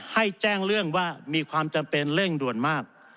ให้แจ้งเรื่องว่ามีความจำเป็นเร่งด่วนมาก